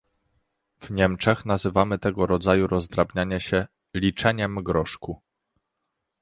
W Niemczech nazywamy tego rodzaju rozdrabnianie się "liczeniem groszku"